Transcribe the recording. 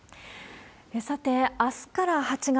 さて、あすから８月。